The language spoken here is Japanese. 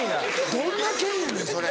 どんな県やねんそれ。